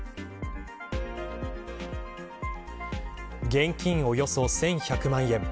現金およそ１１００万円。